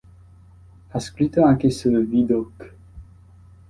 Ha scritto anche sul Vidocq.